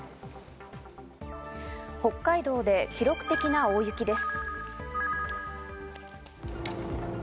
北海道で記録的な大雪です。